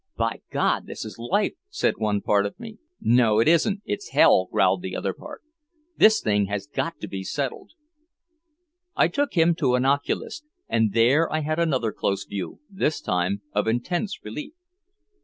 "By God, this is life!" said one part of me. "No, it isn't; it's hell," growled the other part. "This thing has got to be settled!" I took him to an oculist, and there I had another close view, this time of intense relief.